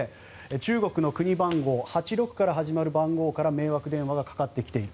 中国の国番号８６から始まる番号から迷惑電話がかかってきている。